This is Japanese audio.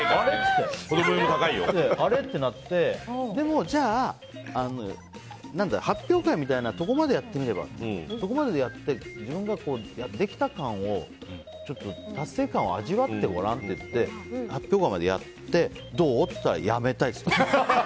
あれ？ってなってでも、じゃあ発表会みたいなところまでやってみて自分ができた感を達成感を味わってごらんって言って発表会までやってどう？って言ったらやめたいって。